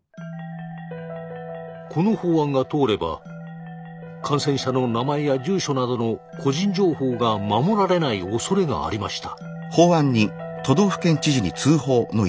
この法案が通れば感染者の名前や住所などの個人情報が守られないおそれがありました。